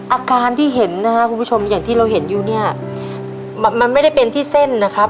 อาการที่เห็นนะครับคุณผู้ชมอย่างที่เราเห็นอยู่เนี่ยมันไม่ได้เป็นที่เส้นนะครับ